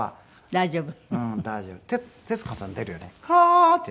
大丈夫？